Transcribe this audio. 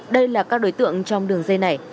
đây là các đối tượng trong đường dây này